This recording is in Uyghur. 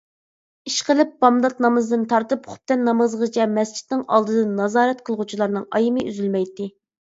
ئىشقىلىپ بامدات نامىزىدىن تارتىپ خۇپتەن نامىزىغىچە مەسچىتنىڭ ئالدىدىن نازارەت قىلغۇچىلارنىڭ ئايىمى ئۈزەلمەيتتى.